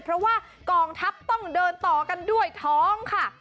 เพราะว่ากองทัพต้องเดินต่อกันด้วยท้องค่ะ